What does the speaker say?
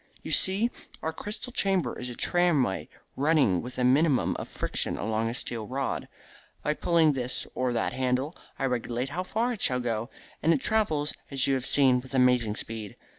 You see, our crystal chamber is a tramway running with a minimum of friction along a steel rod. By pulling this or that handle I regulate how far it shall go, and it travels, as you have seen, with amazing speed.